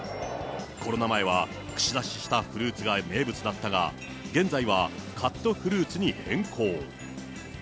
コロナ前は串刺ししたフルーツが名物だったが、現在はカットフルーツに変更。